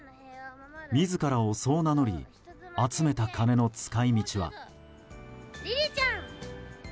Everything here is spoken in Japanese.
自らをそう名乗り集めた金の使い道は。